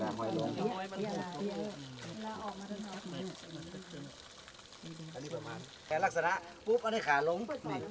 ในลักษณะปุ๊บอันนี้ขาลง